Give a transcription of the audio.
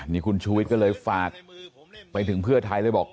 นี่คุณชูวิทย์ก็เลยฝากไปถึงเพื่อไทยเลยบอก